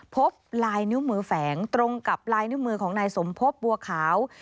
พบลายนิ้วมือแฝงตรงกับลายนิ้วมือของนายสมพบบัวขาว